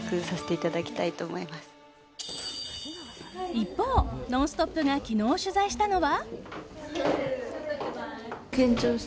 一方、「ノンストップ！」が昨日、取材したのは。